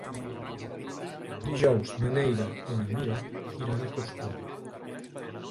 Dijous na Neida i na Mira iran a Costur.